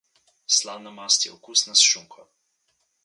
Slana mast je okusna s šunko.